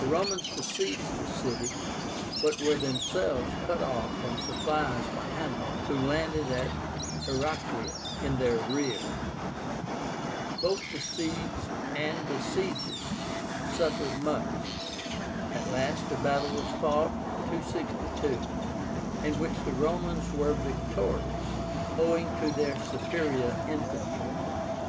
The Romans besieged the city, but were themselves cut off from supplies by Hanno, who landed at Heracléa in their rear. Both besieged and besiegers suffered much. At last a battle was fought (262), in which the Romans were victorious, owing to their superior infantry.